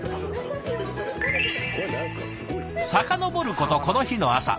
遡ることこの日の朝。